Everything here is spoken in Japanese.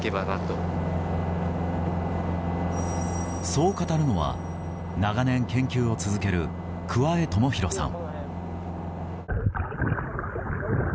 そう語るのは長年、研究を続ける桑江朝比呂さん。